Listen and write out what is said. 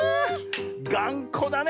⁉がんこだね